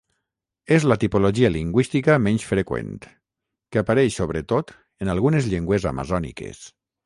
És la tipologia lingüística menys freqüent, que apareix sobretot en algunes llengües amazòniques.